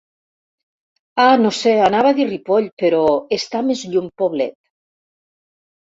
Ah, no sé, anava a dir Ripoll, però està més lluny Poblet.